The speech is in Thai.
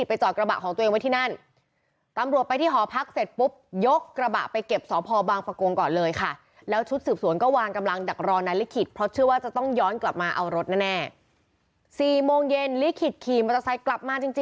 ทางนี้หนูก็เลยจัดปัญหาไปหนูก็เลยบอกเออกูมีผัวใหม่เช่นนั้นแหละ